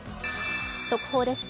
速報です。